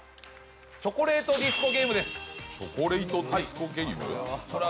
「チョコレイト・ディスコ」ゲームです。